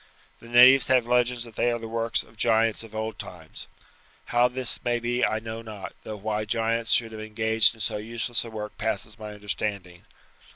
The natives have legends that they are the work of giants of old times. How this may be I know not, though why giants should have engaged in so useless a work passes my understanding.